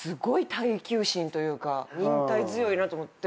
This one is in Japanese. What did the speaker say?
忍耐強いなと思って。